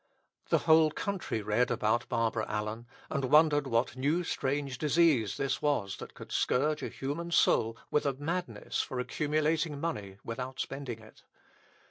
The whole country read about Barbara Allen, and wondered what new strange disease this was that could scourge a human soul with a madness for accumulating money without spending it.